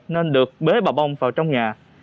nên được bế bà bông vào trong nhà